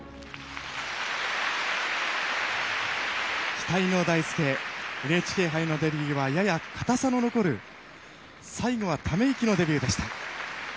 期待の大輔ＮＨＫ杯のデビューはやや硬さの残る最後はため息のデビューでした。